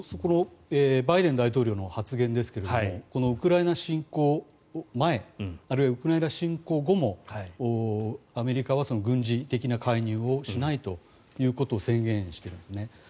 バイデン大統領の発言ですけどもウクライナ侵攻前あるいはウクライナ侵攻後もアメリカは軍事的な介入をしないということを宣言してるんですね。